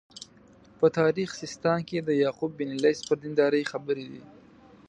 په تاریخ سیستان کې د یعقوب بن لیث پر دینداري خبرې دي.